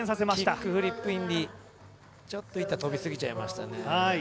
キックフリップインディ、ちょっと板、飛んじゃいましたね。